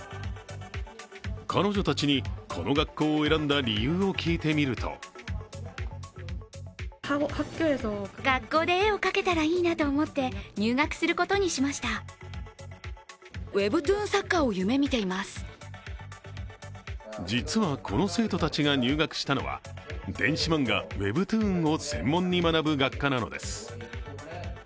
彼女たちに、この学校を選んだ理由を聞いてみると実はこの生徒たちが入学したのは電子漫画ウェブトゥーンを専門に学ぶ学科なのです。